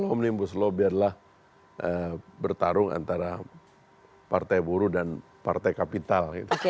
omnibus law biarlah bertarung antara partai buruh dan partai kapital